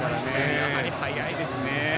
やはい速いですね。